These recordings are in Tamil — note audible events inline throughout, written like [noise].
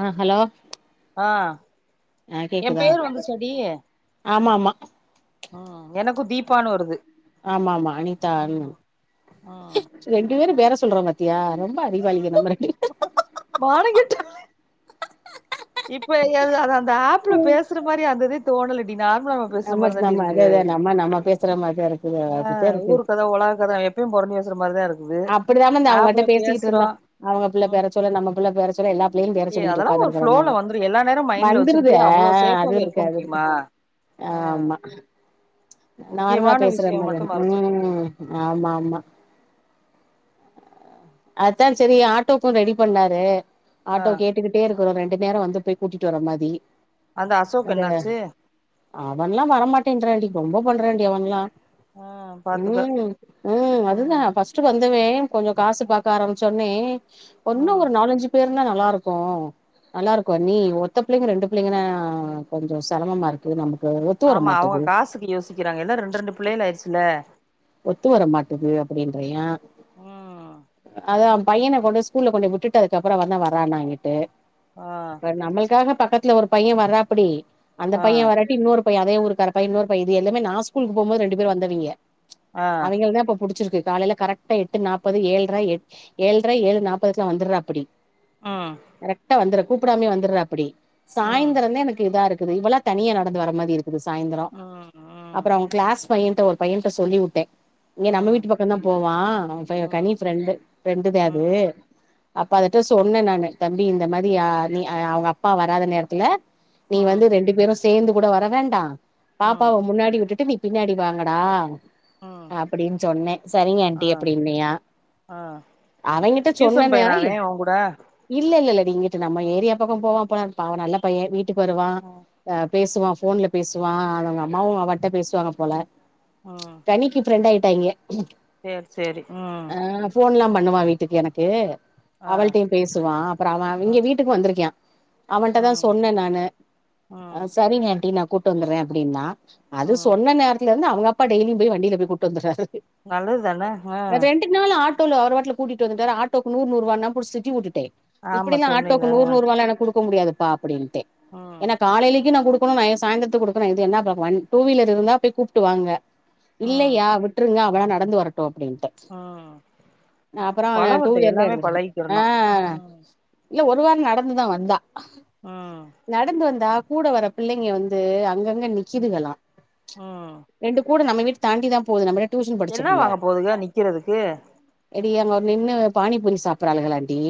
ஆ ஹலோ ஆ ஆ என் கேக்குதா பேர் வந்து செடி ஆமா ஆமா ம் எனக்கு தீபான்னு வருது ஆமா ஆமா அனிதா அண் ம் ம் ரெண்டு பேரு பேற சொல்றோ பத்தியா ரொம்ப அறிவாளிக நம்ம ரெண்டு மானங்கெட்டவலே இப்ப ஏ அது அந்த ஆப்ல பேசுற மாதிரி அந்ததே தோணலடினா நம்ம நம் அதே அதே நம்ம நம்ம பேசு சில மாரி ஆஹ ஊரு கத உலக கத எப்பயு பொறலி பேசறமாரி தா இருக் அப்படிதாமா இந்த அவங்ககிட்ட பேசிக்கிட்டு இருந்தோ அவங்க பிள்ள ம் பேற சொல்ல நம்ம பிள்ள பேறச்சொ இப்பவே எல்லாம் லீவு வேற ஏ சொல்லிகிட்டு அதெல்லா உட்காந்து ஒரு இருக்கறே ஃப்ளோல நானு வந்துரு எல்லா நேரோ மைண்ட்ல வந்துருது வச்சுக்கிட்டே ஆ அவ்ளோ அது சேஃபாவே இருக்கு இருக்க அது இருக்கு முடியுமா ஆ ஆமா நார்மலா முக்கியமான பேசுறிர விஷயோ மரி மட்டு மறச்சு வைக்க வேண்டியதா ம் ஆமா ஆமா அதா சரி ஆட்டோக்கு ரெடி பண்ணாரே ஆ ஆட்டோ கேட்டுக்கிட்டே இரு ஒரு ரெண்டு நேரோ வந்து போய் கூட்டிட்டு வர மாறி அத அசோக் என்னாச்சு அவன்லா வரமாட்டேன்றாண்டி ரொம்ப பண்றாண்டி அவன்ல்லா ஆ பாத்துக்க ம் ம் அதுதா பஸ் ந்தவே கொஞ்சோ காசு பாக்க ஆரமிச்சோன்னே ஒன்ணு ம் ஒரு நாலஞ்சு பேர் இன்னு நல்லா இருக்கு நல்லா இருக்கு நீ ஒத்த பிள்ளைங்க ரெண்டு பிள்ளங்கனா கொஞ்சோ சிரமமா இருக்குது நமக் ஆமா அவுங்க காசுக்கு யோசிக்கிறாங்க எல்லா ரெண்டு ரெண்டு புள்ளைங்களா ஆயிடிச்சுல்ல ஒத்து வர மாட்டது அப்பிடின்றயா ம் அதா பையன கொண்டு ஸ்கூல்ல கொண்டு விட்டுட்டு அதுக்கப்புறோ வேணா வரானா இங்கிட்டு ஆ அப் நம்மளுக்காக பக்கத் த்ல்ல ஒரு பைய வர்றாப்டி அந்த ஆ பைய வராட்டி இன்னொருப் இப்ப அதே ஊருக்காரப்பைய இன்னொரு பை இது எல்லாமே நா ஸ்கூலு போம்போது ரெண்டு பேர் வந்தவிங்க ஆ அவிங்களதா இப்ப புடிச்சிருக்கு காலையில கரெக்டா எட்டு நாப்பது ஏழுரை எ ஏழுரை ஏழு நாப்பதுக்குல்லா வந்தறாப்பிடி ம் கரெக்டா வந்துருக் கூப்பிடாமே வந்தறாப்பிடி ம் சாயந்திரதா எனக்கு இதா இருக் இது இவெல்லா தனியா நடந்து வர மாரி இருக் க்குது சாயந்திரோ ம் ம் அப்புறோ அவங் கிளாஸ் பையன் த்தோ ஒரு பையன் சொல்லிவுட்டே இங்க நம்ம ம் வீட்டு பக்கோதா போவா பை ம் கனி ஃப்ரெண்டு ஃப்ரெண்டுதே அது ம் அப்ப அதுட்ட சொன்னே நானு தம்பி இந்த மாரியா நீ அவுங்க அப்பா வராத நேரத்துல நீ ம் வந்து ரெண்டு பேரு சேந்து கூட வர வேண்டா ம் பாப்பாவ முன்னாடி விட்டுட்டு நீ பின்னாடி வாங்கடா ம் அப்பிடின் சொன்னே ஆ சரிங்காண்டி அப்பிடி இன்னையா ஆ அவங்கிட்ட சொன்னேனே டியூசன் நேர பையனா அவே உன் கூட இல்ல இல்லலடி இங்கிட்டு நம்ம ம் ஏரியா பக்கோ போவா போல பா நல்ல பைய வீ ட்டு வருவா ம் அ பேசுவா ஃபோன்ல பேசுவா அவன அவுங்க அம்மாவு அவட்ட பேசுவாங்க போல ம் கனிக்கு ஃப்ரெண்டாயி டாயிங்க சேரி சேரி ம் ஆ ஃபோன்ல்லா பா பண்ணுமா வீட்டுக்கு எனக்கு ஆ அவள்டையு பேசுவா அப்புறோ அவ அவிங்க ம் வீட்டுக்கு வந்திருக்கியா அவன்ட்ட தா ம் சொன்னே நானு ம் ஆ சரிங் ஆன்டி நா கூட்டு வந்துரே அப்டின்னா அது ம் சொன்ன நேரத்துல இந்து அப் அப்பா டெய்லியு போய் வண்டில போய் போட்டு வந்துறாரு நல்லது தானே ஹ ஆட்டோல அவ ஒருவட்டல கூட்கிட்டு வட்டாரு ஆட்டோக்கு நூர் நூறுவான் புடிச்சி திட்டி விட்டுட்டே ஆமா இப்டினு சொன்னில ஆட்டோக்கு நூறு ஆ நூறுவால எனக் குடு இப்ப முடியாதுப்பா அப்டின்னு தே ம் ஏனா காலேலக்கு நா குடுத் இப்பவு நா ஏ சாயந்தறத்து குடுக்கணு இது என்னா டூ வீலர் இருந்தா போய் கூப்ட்டு வாங்க ம் இல்லயா விட்டுருங்கப் இவலா நடந்து வரட்டு அப்டின்ட்டு ம் அப்பறம் பழகட்டு டூவிலர்ல எல்லாமே இருந்து எடுத்துக்கே பழகிக்கிறணு ஆ ம் இல்ல ஒரு வார நடந்துதா வந்தா ம் நடந்து வந்தா கூட வர பிள்ளைங்க வந்து அங்க அங்க நிக்கிதுங்கலா ச் ம் ரெண்டு கூட நம்ம வீட்டு தாண்டி தா போது நம்ளப் என்ன வாங்க போதுக நிக்கிறதுக்கு எடிய அங்க ஒரு நின்னு பானிப்பூரி சாப்பறாலுகலாண்டி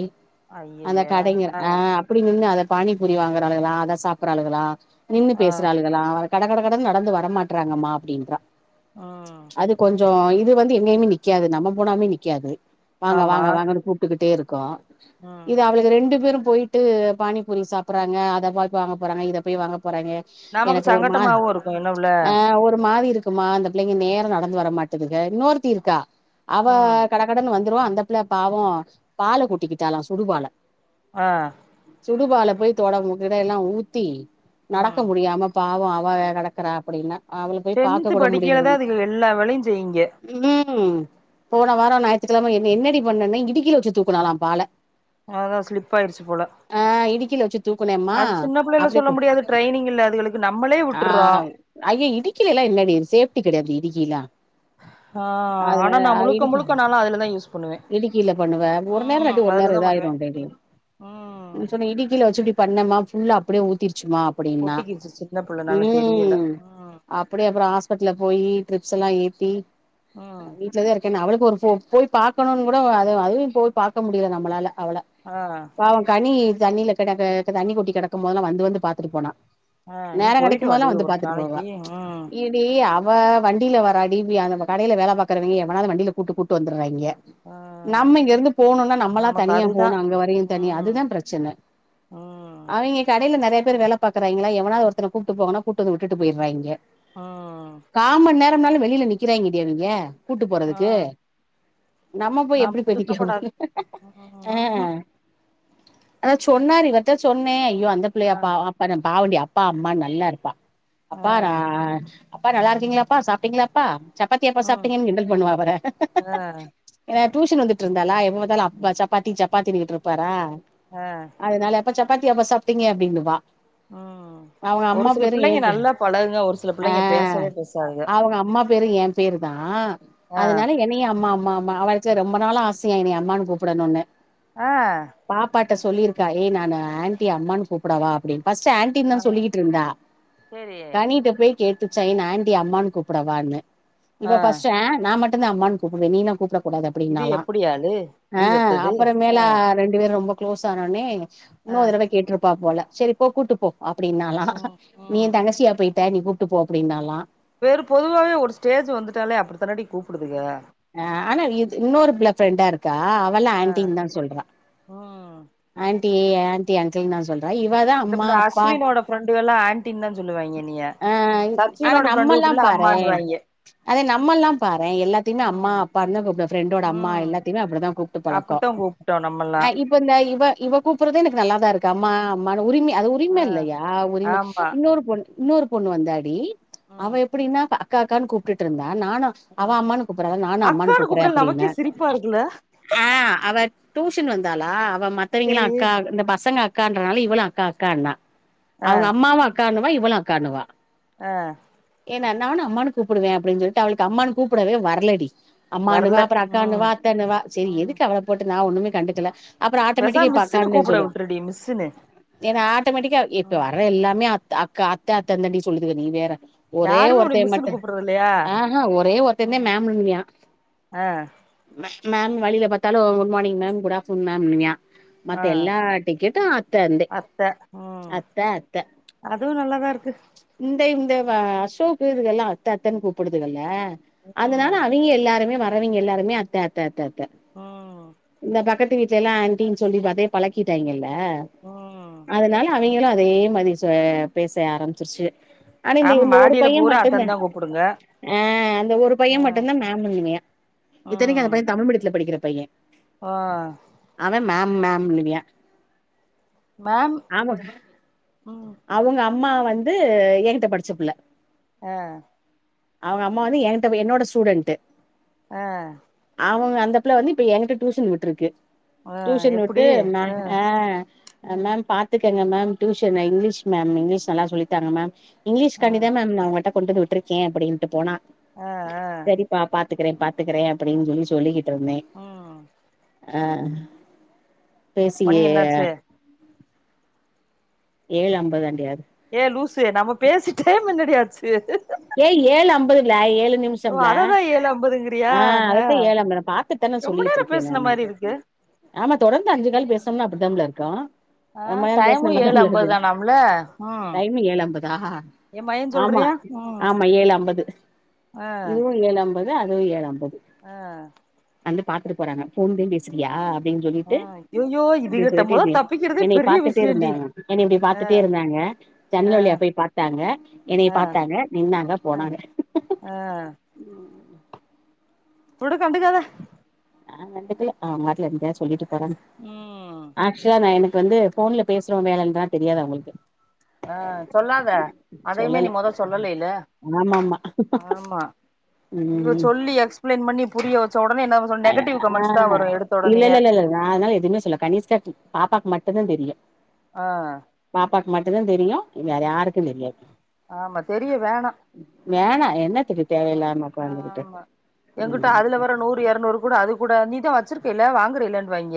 அந்த கடைங்க ஆ அப்டி நின்னத பானிபூரி வாங்குறளுகளா அதா சாப்பற ஆளுகளா நின்னு ஆ பேசுறாளுகலா கட கட கடனு நடந்து வரமாட்டேறாங்கம்மா அப்டின்றா ம் அது கொஞ்சோஇப் இது வந்து எங்கயுமே நிக்காது நம்ம போனாமே நிக்காது வாங்க ஆமா வாங்க வாங்கன்னு கூப்டுக்கிட்டே இருக் கா ம் இது அவளுக ரெண்டு பேரு போயிட்டு பானிபூரி சாப்பறாங்க அத பாக் வாங்க போறாங்க இத போய் வாங்க போறாங்க நமக்கு எனக்கு ஒரு மா சங்கட்டமாவு இருக்கு என்னவுல அ ஒரு மாரி இருக்கு க்குமா அந்த பிள்ளைங்க நேர நடந்து வர மாட்டுதுங்க இன்னொருத்தி இருக்கா அவ ம் கடகடன் வந் ந்துருவோ அந்த பிள்ள பாவோ பால கொட்டிக்கிட்டாலா சுடுபால ஆ சுடுபல போய் தொட முகிட எல்லா ஊத்தி நடக்க ம் முடியாம்ம பா அவ அவகடக்கற அப்பிடின்னா அவளுக் டென்த் படிக்கிலதா அதுக எல்லா வேலையு செய்யுங்க ம் போன வாரோ ஞாயித்துக்கிழம என்ன என்னடி பண்ணன இடிக்கில வச்சி தூக்குனலா பால அதா ஸ்லிப் ஆயிடிச்சி போல ஆ இடுக்கில வச்சு தூக்குனேம்மா அது சின்ன பிள்ளைல அப்டி சொல்ல முடியாது ட்ரெய்னிங் இல்ல அதுகளுக்கு நம்மளே விட்டறோ எ இல்லடி ஃசேப்டி கெடையாது இடிக்கிலா ஆ அத ஆனா நா முழுக்க இடுக்கி முழுக்க நாலா அதுலதா யூஸ் பண்ணுவே இடுக்கில பண்ணுவ ஒரு நேரோ ம் இல்லாட்டி ஒரு நேரோ அதுலதா இத பண்ணுவே ஆயிருடேடி ம் இன் சொன்ன இடிக்கில வச்சி பண்ணமா ஃபுல்லா அப்பிடியே ஊத்திரு சும்மா அப்பிடின்னா ஒட்டிக்கிச்சு சின்ன பிள்ளனால தெரியல ம் ம் அப்பிடியே அப்புறோ ஹாஸ்பிடல்ல போய் ட்ரிப்ஸ் எல்லா ஏத்தி ம் வீட்டுலத இருக்கேன் அவளுக்கு ஒரு ஃபோ போய் பாக்கணுன் கூட அத அதுவியு போய் பாக்க முடியல நம்மளால அவள ஆ பாவோ கனி தண்ணிலகிடக தண்ணி கொட்டி கெடக்கு போல்லா வந்து வந்து பாத்துட்டு போனா ஆ நீ போயட்டு வாடி ஒரு நாளைக்கி இடி அவ வண்டியில வராடி வி அந்த கடையில வேல பாக்கறவிங்க எவனாது வண்டியில கூட்டு கூட்டு வந்தறாயிங்க ம் நம்ம இங்க இருந்து போணுன்னா நம்மல்லா நமக்கு தனியா அதுதா போணு அங்க வரையு தனியா ம் அதுதா பிரச்சன ம் அவிங்க கடையில நெறைய பேர் வேல பாகக்குறாய்ங்களா எவனாது ஒருத்தன கூப்ட்டு போனங்கனா கூட்டு வந்து விட்டு போயிறாயிங்க ம் காமண் நேரம்னாலு வெள் ளில நிக்கிறாய்ங்கடி அவிங்க கூட்டு ஆ போறதுக்கு நம்ம போய் எப்பிடி நமக்கு பதிக்க சுத்தக்கூடாது அவுங்க ஆ ம்ஹூம் அத சொன்னார் இவர்ட்ட சொன்னே யோ அந்தப் பிள்ளையா ஆ பா அப்பன பாவண்டி அப்பா அம்மா நல்லா இருப்பா ஆ அப்பா நா அப்பா நல்லாருக்கீங்ளாப்பா? சாப்டீங்ளாப்பா? சப்பாத்தியாப்பா ம் சாப்டீங்கன் கிண்டல் பண்ணுவா அவர ஆ என டியூஷன் வந்துட்ருந்தாலா எப்ப பாத்தாலு அப்பா சப்பாத்தி சப்பாத்திகின்னுட் இருப்பாரா ஆ அதுனால அப்பா சப்பாத்தியாப்பா சாப் டிங்க அப்டின்னு வா ம் ஒரு சில புள்ளைங்க பேரு நல்லா பழகுங்க ஒரு சில ஆ பிள்ளைங்க பேசவே பேசாதுங்க அவுங்க அம்மா பேரு ஏ பேரு தா ஆ அதுனால என்னையு அம்மா அம்மா அம்மா அவ அழச்ச ரொம்ப நாளா ஆசையா என்னய அம்மான்னு கூப்புடனூனு ஆ ட்ட சொல்லியனருக்கா ஏ நானு ஆன்ட்டிய அம்மான்னு கூப்புடவா அப்பிடின் ஃபஸ்ட்டு ஆன்ட்டின்தா ஆ சொல்லிகிட்ருந்தா சேரி கனிட்ட பேய் கேட்டுச்சா ஏ நா‌ ஆன்ட்டிய அம்மான் கூப்புடவான்னு இவ ஃபஸ்ட்டு ஆ நா மட் டுந்தா அம்மான் கூப்டுவே நீலா கூப்புட கூடாது இது அப்டின்னாலா எப்டி ஆளு நீ ஆ வெத்தது ஆ அப்பறமேலா ரெண்டு பேர் ரொம்ப க்ளோஸ் ஆனோனே ஆ இன்னோர் தடவ கேட்ருப்பா போல செரிப்போ கூட்டு போ அப்புடின்னாலா ம் நீ எ ம் தங்கச்சியா போய் ட்ட நீ கூ ப்ட்டு போ அப்பிடின்னாலா வேறு பொதுவாவே ஒரு ஸ்டேஜு வந்துட்டாலே அப்டி தானடி கூப்டுதுக ஆ ஆனா இது இன்னோரு புள ஃப்ரெண்டா இரு க்கா அவளா ஆ ஆன்ட்டின் தா சொல்றா ம் ஆன் ட்டி ஆன்ட்டி அங்கிள் தா சொல் றா இவதா அம்மா அப்பா டுகல்லா ஆன்டின் தா சொல்லுவாய்ங்க என்னைய ஆ ஆனா சச்சினோட ஃப்ரெண்டுக நம்மல்லா ஃபுல்லா பாரே அம்மான்னுவாய்ங்க அதே நம்மல்லா பாரே எல்லாத்தையுமே அம்மா ம் அப்பான் தா கூப்டுவோ ஃப்ரெண்டோட அம்மா ம் எல்லாத்தைய்மே அப்டிதா கூப்ட்டு பழக்கொ அப்டித்தா கூப்ட்டோ நம்மல்லா ஆ இப்ப இந்த இவ இவ கூப்புறது எனக்கு நல்லாதாருக் அம்மா அம்மான்னு உரிமை அது உரிமை ஆ இல்லையா உரிமை ஆமா இன்னொரு பொண்ணு இன்னொரு பொண்ணு வந்தாடி அவ ம் எப்டின்னா அக்கா அக்கான்னு கூப்ட்டுட்டு இருந்தா நானும் அவ ம் அம்மான்னு கூப்பிடறாளே நானும் அம்மான்னு அக்கான்னு கூப்பறேன் கூப்டல நமக்கே அப்படினேன் சிரிப்பா இருக்குல்ல ஆ அவ டியூஷன் வந்தாளா மத்தவிங்களாம் சேரி அக்கா இந்த பசங்க அக்கான்றனால இவளும் அக்கா அக்கானா ஆ அவுங்க அம்மாவ அக்கான்னு இவளும் அக்கான்னுவா ஆ என்ன நானும் அம்மான்னு கூப்பிடுவேன் அப்டின்னு சொல்லி அவளுக்கு அம்மான்னு கூப்பிடவே வர்லடி அம்மான்னுவா வரல அப்பறம் ம் அக்கான்னுவா அத்தன்னுவா செரி ம் எதுக்கு அவள போட்டு நான் ஒன்னுமே கண்டுக்கல அப்புறம் ஆட்டோமேட்டிக்கா பேசாம இப்ப மிஸ்ஸுன்னு அக்கான்னு தான் கூப்ட சொல்லுவ விட்ருடி மிஸ்ஸுன்னு ஏன்னா ஆட்டோமேட்டிக்கா இப்போ ம் வர்ற எல்லாமே த அக்கா அத்த தாண்டி சொல்லுதுக நீ வேற ஒரே யாருமே உன்னைய ஒருத்தன் மிஸ்ஸுன்னு மட்டும் கூப்டறது இல்லையா ஆ ஒரே ஒருத்தன் மட்டும் தான் ம் மேம்ன்னுவான் ஆ மேம் மேம் வழியில பார்த்தாலும் good morning ma'am good afternoon மேம்பியான் ஆ மத்த எல்லா டிக்கெட்டும் அத்ததேன் அத்த ம் அத்த அத்த அதுவு நல்லாதா இருக்கு இந்த இந்த அசோக் இதுக்கெல்லாம் அத்த அத்தன்னு கூப்பிடுதுகல அதனால ம் அவிங்க எல்லாருமே வ யவிங்க எல்லாருமே அத்த அத்த அத் த ம் இந்த பக்கத்து வீட்டு எல்லாம் ஆண்ட்டின்னு சொல்லி அதே பழகிட்டாங்கில ஆ ம் அதனால அவிங் இங்க அதே மாதிரி சொ பே ச ஆரம்பிச்சிருச்சுக ஆனா ஆமா இந்த ஒரு மாடியில பையன் பூரா மட்டும் அத்தன்னு தான் தா கூப்புடுங்க ஆ அந்த ஒரு ஆ பையன் மட்டும் தான் மேம்பியான் இத்தனைக்கு அந்த ம் பையன் தமிழ் மீடியதுல படிக்கிற பையன் ஆ மேம் மேம் னுவியா மேம் ஆமா ம் அவுங்க அப் அம்மா வந்து எனங்கிட்ட படிச்சப்புள்ள ஆ அவங்க அம்மா வந்து என்கிட்ட என்னோட ஸ்டூடெண்ட் ஆ இந்தப்புல வந்து இப்ப என்கிட்ட டியூசன் விட்டுருக்கு ஆ டியூசன் விட்டு எப்டி மே ஆ ம் மேம் பாத்துக்கங்க ma'am tuition English ma'am English நல்லா சொல்லித்தாங்க மேம் இங்கிலிஷ் ஆ காண்டி மேம் நா உங்கட்ட கொண்டுக்கு விட்டுருக்கேன் அப்டின்ட்டு போனா ஆ ஆ சரிப்பா பாத் க்கிறே பாத்துக்குறே அப்டின் சொல்லிக் கிட்டு இருந்தேன் ம் ஆ மணி பேசியே என்னாச்சு ஏழு அம்பது தாண்டி லூஸ் நம்ம பேசி டைம் என்னடி ஆகு [unintelligible] ஏ ஏழு அம்பதுல ஏழு ஓ நிமிஷம்ல அததா ஏழு அம்பதுங்கிறியா ஆ அ ஏழ அம்பது நா பாத்துட்டு தானே ரொம்ப சொல்லிட்டு நேரோ இருக்கேன் பேசுன நானு மாரி இருக்கு ஆமா தொடர்ந்து அஞ்சு கால் பேசுனா அப்டித புல இருக்கும் ஆ ரெம்பா நேரம் டைமு பேசுனா மாரி ஏழு தாம் புல அம்பது தானாம்ல ம் டைமிங் ஏழ அம்பதா ஏ மகே சொல்றியா ம் ஏழு அம்பது ஆ உ ஏலம் அத அதுவு ஏழு அம்பது ஆ வந்து பாத்துட்டு போறாங்க போன்லயே பேசிரியா அப்டின் ஆ சொல்லிட்டு ஐயையோ அப்டின் இதுகிட்ட சொல்லிட்டி மொத இபஃய தப்பிக்கிறதே என்னை பெரிய பாத்துட்டே விஷயம்டி இருந்தாங்க என்ன இப்டி பாத்துட்டே இருந்தாங்க ஆ ஜன்னல வழியே போய் பாத்தாங்க என்னய ஆ பாத்தாங்க நின்னாங்க ஆ போனாங்க ஆ உடு கண்டுகாத நா கன்டுகல அவங்க பாட்ல என்னத்தயா சொல்லிட்டு ம் [unintelligible] அக்ச்வலி நா யனக் இப்ப வந்து ஃபோன்ல பேசுற வேலந்தா தெரியாது அவங்ளுக்கு ஆ சொல்லாத அதையுமே நீ சொல்லல முத சொல்லலல்ல ஆமாமா ஆமா இவ சொல்லி எக்ஸ்பிளைன் பண்ணி புரியோத் அய ஆ இல்ல இல்ல ஒடனேயே இல்ல இல்ல நா அதனால எதுமே சொல்ல கனிஷ்கா பாப்பாக்கு மட் ப்பதா தெரியு ஆ இதுதா தெரியு வேற யாருக்கு தெரியாது ஆமா தெரிய வேணா வேணா என்னதுக்கு ஆ தேவயில்லாம கொழந்தகிட்ட உ இரு எரநூறு கூட அது கூட நீதா வச்சிர்க்கல்ல வாங்குறீல இல்லன்வாங்க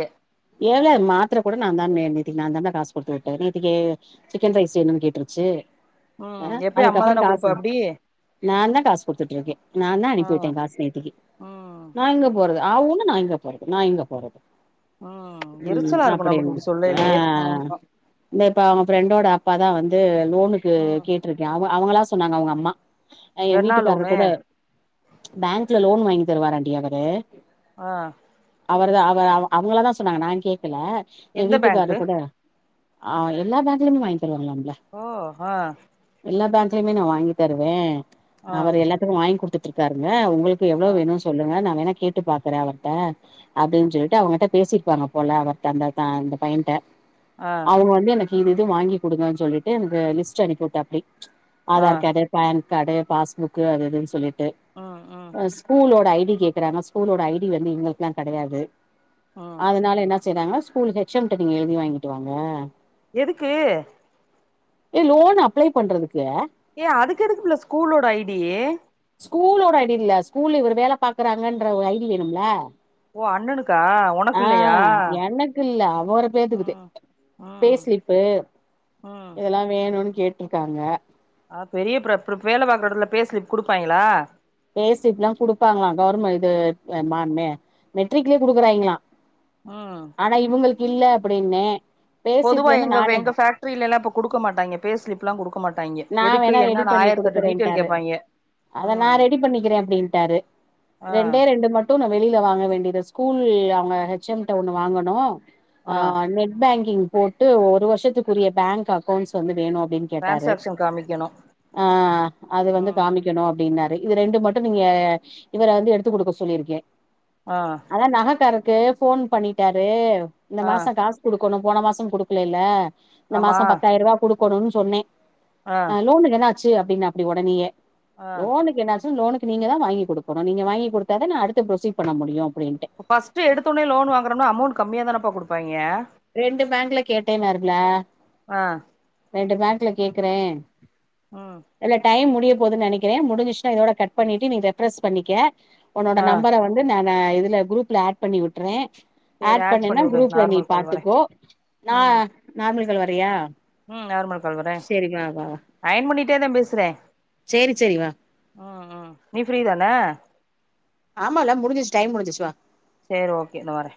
ஏள மாத்ர கூட நா தா மே நேத்கி நா தா புஃள காசு கொடுத்து விட்டே நேத்கி சிக்கன் ரைஸ் வேனுனு கேட்ர்சி அ ம் எப்பயு அம்மா அதுக்கப்பற தான குடுப்பா காசு அப்டி நா தா காசு குடுத்துட்ர்க்கே நா தா ஆ அனுபிவுட்ட காசு நேத்திக்கி ம் நா இங்க போறது ஆ ஊன்னு நா இங்க போறது நா இங்க போறது ம் உ எரிச்சலா இருக்கு நமக்கு அப்டின்ன இப்டி ஆ சொல்லைலயே ஆமா இந்த இப்ப அவங்க ஃப்ரெண்டோட அப் ப்பாதா வந்து வெல் லோனுக்கு ம் கேட்ருக்கே ஆவ அவ்ங்களா சொன்னாங்க அவ்ங்க அம்மா எ என்ன வீட்டுக்காரர் லோனு கூட பேங்க் த்ல லோன் வாங்கி தருவாராண்டி அவரு ஆ அவர் தா அவ அவ அவ்ங்கள தா சொன்னாங்கா நா கே க்கல எ எந்த வீட்டுக்கார பேங்க்கு கூட ஆ எல்லா பேங்லமே வாங் தருவங்லாம்ப்ள ஓ ஆ எல்லா பேங்க் இதுலயுமே நா வாங்கி தருவே ஆ அவர் எல்லாத்துக்கு வாங்கி குடுத்துட் த்துருக்காருங்க அவ்ங்க ளுக்கு எவ்ளோ ஆ வேணு சொல்லங்க நா வேனா கேட்டு பாக்கறே அவர்ட்ட அப்டின்னு சொல்லிட்டு அவங் கிட்ட பேசி இருப்பாங்க போல அவர் தந்த அந்த பையன்ட்ட ஆ அவுங்க வந்து எனக்கு இப் இது இது வாங்கி குடுங்க சொல்லிட்டுக்கு அந்த லிஸ்ட் அனுப்பிவிட்டாப்படி ஆ ஆதார் காடு பேன் கடைய பாஸ்புக் அது இதுன்னு சொல்லிட் டு ம் ம் ஸ்கூலோட ஐ இப்டி கேக்குறாங்க ஸ்கூலோட ஐ டி வந்து எங்களுக்கெல்லா கெடையாது ம் அதனால என்ன செய்றாங்கனா ஸ்கூல் ஹெச் எம் ட்ட நீங்க எழுதி வாங்கிட்டு வாங்க எதுக்கு ஏ லோன் அப்ளை பண்றதுக் ஏ அதுக்கு எதுக்கு புள்ள ஸ்கூலோட ஐ டி கூலோட ஐ டி இல்ல ஸ்கூல்ல இவர் வேல பாக்குறாங்கன்ற ஒரு ஐ டி வேணும்ல ஓ அண்ணனுக்கா உனக்கு ஆ இல்லையா எனக்கு இல்ல அவற பேத்துக்குது ம் பே ம் சிலிப்பு ம் இதெல்லா வேணுனு கேட் இருக்காங்க ஆ பெரிய பிரிப் பிரிப் வேல பாக்கற எடத்துல பே ஸ்லிப் குடுப்பாங்களா பே சிலிப் ல்லா குடுப்பாங்களா கவர்மெண்ட் இது மெட்ரிக்லே குடுக்குறாயங்களா ஆ இல்ல அப்டின்னே பே பொதுவா ஸ்லிப்லனா எங்க நானு எங்க பேக்ட்ரியிலல எல்லா இப்ப குடுக்க மாட்டாங்கே பே ஸ்லிப் ளா குடுக்க மாட்டாங்கே நா வேணா ரெடி பண்ணி குடுக்குறேன்ட்டாரு கேப்பாய்ங்க அத நா ம் ரெடி பண்ணிக்கிறே அப்டின்ட்டாரு ஆ ரெண்டே ரெண்டு மட்டு வெளியில வாங்க வேண்டியது ஸ்கூல் அவுங்க ஹெச் எம் ஒண்ணு வாங்கனு ஆ நெட் பேங்கிங் போட்டு ஒரு வருஷத்துக்குரிய பேங்க் அக்கௌண்ட்ஸ் வந்து வேணு அப்டின்னு கேட்டாரு டிரான்சாக்ஷன் காமிக்கணு ஆ அது வந்து ம் காமிக்கணு அப்டின்னாரே இது ரெண்டு மட்டு நீங்க இவர வந்து எடுத்து குடுக்க சொல்லியிருக்கே ஆ அதா நகக்காரு க்கு போன் பண்ணிட்டாரு இந்த ஆ மாச காஸ் குடு க்கோன்னு போன மாசோ குடுக்கலில்ல இந்த ஆமா மாசோ பத்தாயிரூவா குடு கோணுன் சொன்னே ஆ அ லோன்னுக் என்னா ஆச் ச்சி அப்பிடின்னாப்பிடி உடனியே ஆ லோன்க்கு என்னாச்சி லோனுக்கு நீங்கதா வாங்கி குடுக்கனு நீங்க வாங்கி குடுத்தாத நா அடுத் பஸ்ட் எடுத்தோன்னே லோன் வாங்குறோம்னா அமௌண்ட் கம்மியா தானப்பா குடு ப்பாயிங்க ரெண்டு பேங்க்ல கேட்டேனாருல்ல ஆ ரெண்டு பேங்குல கேக்குறே ம் இல்ல டைம் மு டிய போதுன் நெனைக்கிறே முடிஞ்ச்சா இதோட கட் பண்ணிட்டு நீ ரெஃப்ரஸ் பண்ணிக்க உன்னோட ஆ நம்பர வந்து நான் நா இதுல குரூப்ல அட் பண்ணி விட்றே சேரி ஆட் பண்ணிவுடு நார்மல் கால்வரே ஓ நா நா மல் கால் வரியா ம் நார்மல்க்கால் வரே சேரி வா வா வா அயன் பண்ணி ட்டேதா பேசுறே சேரி சேரி வா ம் ம் நீ ஃபிரீதான ஆமால்ல முடிஞ்சிச்சி டைம் முடிஞ்சிச்சி வா சேரி ஓகே நாவறே